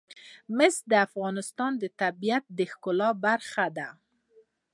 مس د افغانستان د طبیعت د ښکلا برخه ده.